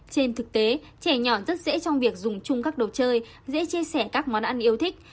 trên thực tế trẻ nhỏ rất dễ trong việc dùng chung các đồ chơi dễ chia sẻ các món ăn yêu thích